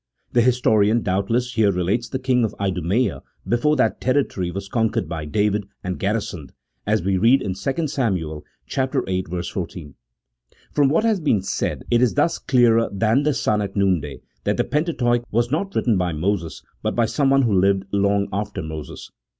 The historian, doubtless, here relates the kings of Idumaea before that territory was con quered by David 1 and garrisoned, as we read in 2 Sam. viii. 14. From what has been said, it is thus clearer than the sun at noonday that the Pentateuch was not written by Moses, but by someone who lived long after Moses.